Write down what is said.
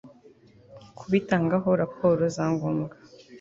kubitangaho raporo za ngombwa